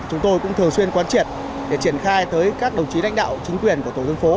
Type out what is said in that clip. chúng tôi cũng thường xuyên quan triệt để triển khai tới các đồng chí lãnh đạo chính quyền của tổ dân phố